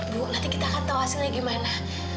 bu nanti kita akan tahu hasilnya gimana